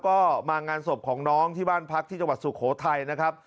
ก็มางานศพของน้องที่บ้านพักที่จังหวัดสุโขทัยนะครับ